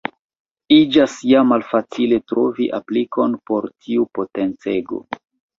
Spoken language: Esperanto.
Iĝas ja malfacile trovi aplikon por tiu potencego.